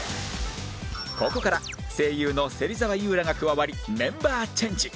ここから声優の芹澤優らが加わりメンバーチェンジ！